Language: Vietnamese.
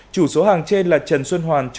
chủ số hàng trên là trần xuân hoàn